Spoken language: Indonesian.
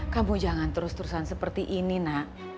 kamu jangan terus terusan seperti ini nak